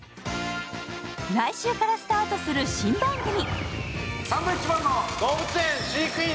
来週からスタートする新番組。